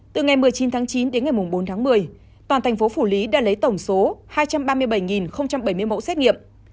từ ngày một mươi chín tháng chín đến ngày bốn tháng một mươi toàn thành phố phủ lý đã lấy tổng số hai trăm ba mươi bảy bảy mươi mẫu xét nghiệm